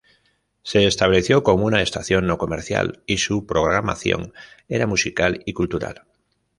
Se estableció como una estación no comercial y su programación era musical y cultural.